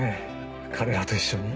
彼らと一緒に。